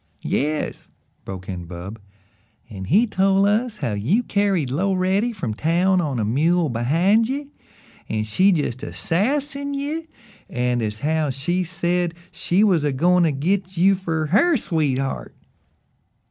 "Yes," broke in Bub, "and he tol' us how you carried Loretty from town on a mule behind ye, and she jest a sassin' you, an' as how she said she was a goin' to git you fer HER sweetheart."